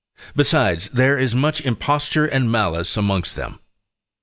Besides, there is much imposture and malice amongst them.